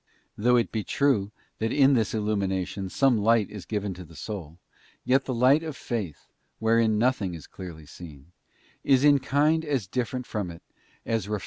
Though it be true that in this illumination some light is given to the soul, yet the light of Faith, wherein nothing is clearly seen, is in kind as different from it as refined CHAP, XXIX.